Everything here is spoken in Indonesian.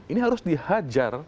ini harus dihajar